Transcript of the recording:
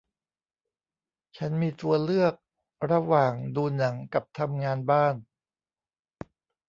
ฉันมีตัวเลือกระหว่างดูหนังกับทำงานบ้าน